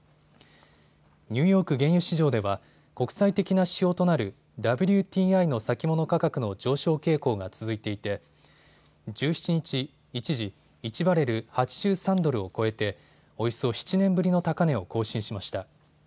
ニューヨーク原油市場では国際的な指標となるＷＴＩの先物価格の上昇傾向が続いていて１７日、一時、１バレル８３ドルを超えておよそ７年ぶりの高値を更新しました。